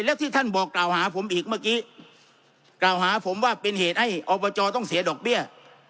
แล้วที่ท่านบอกกล่าวหาผมอีกเมื่อกี้กล่าวหาผมว่าเป็นเหตุให้อบจต้องเสียดอกเบี้ย